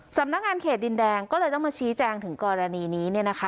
สำนักงานเขตดินแดงก็เลยต้องมาชี้แจงถึงกรณีนี้เนี่ยนะคะ